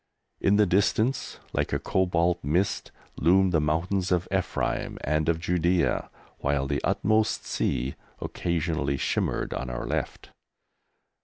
In the distance, like a cobalt mist, loomed the mountains of Ephraim and of Judæa, while the "utmost sea" occasionally shimmered on our left.